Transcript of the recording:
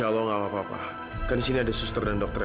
lu udah tau dimana kamila berada